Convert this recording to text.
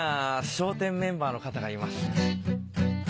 笑点メンバーの方がいます。